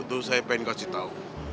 itu saya pengen kasih tau